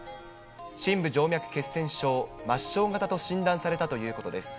深部静脈血栓症・末しょう型と診断されたということです。